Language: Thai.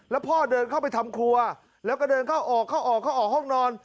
แล้วพ่อเดินเข้าไปทำครัวแล้วก็เดินเข้าออกเข้าออกเข้าออกห้องนอน